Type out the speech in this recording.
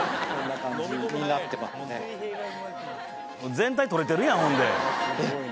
全体撮れてるやんほんで。